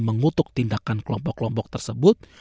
mengutuk tindakan kelompok kelompok tersebut